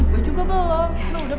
gue juga belum